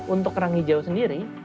untuk kerang hijau sendiri